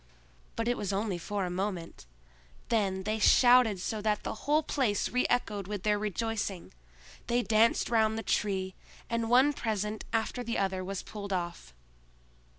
But it was only for a moment; then they shouted so that the whole place reechoed with their rejoicing; they danced round the Tree, and one present after the other was pulled off.